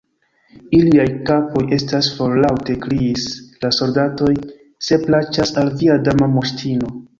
"Iliaj kapoj estas for " laŭte kriis la soldatoj "se plaĉas al via Dama Moŝtino."